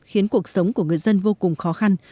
khiến cuộc sống của người dân vô cùng khó khăn